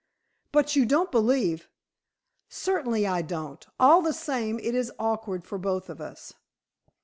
"But you don't believe " "Certainly I don't. All the same it is awkward for both of us."